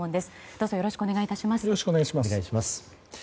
どうぞよろしくお願い致します。